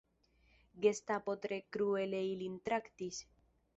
Gestapo tre kruele ilin traktis.